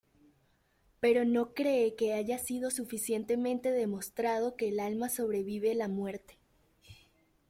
Pero no cree que haya sido suficientemente demostrado que el alma sobrevive la muerte.